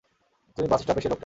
তুমি বাস স্টপের সেই লোকটা।